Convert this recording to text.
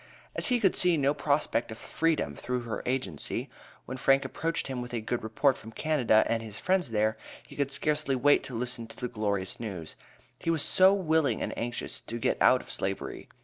As he could see no prospect of freedom through her agency, when Frank approached him with a good report from Canada and his friends there, he could scarcely wait to listen to the glorious news; he was so willing and anxious to get out of slavery.